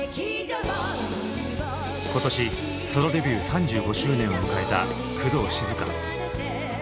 今年ソロデビュー３５周年を迎えた工藤静香。